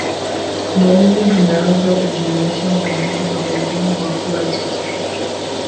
Dalili zinaweza kujumuisha maumivu na ugumu wa kula chakula.